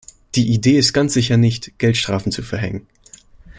Die Idee ist ganz sicher nicht, Geldstrafen zu verhängen.